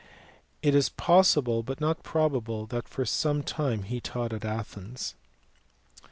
It is possible but not probable that for some time he taught at Athens.